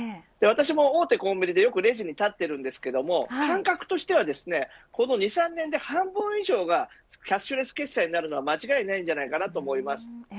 私も大手コンビニでよくレジに立っていますが感覚としてはこの２、３年で半分以上がキャッシュレス決済になるのは間違いないのではないかと思います。